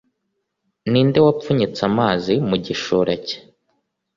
Ni nde wapfunyitse amazi mu gishura cye